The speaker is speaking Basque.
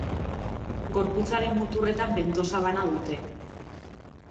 Gorputzaren muturretan bentosa bana dute.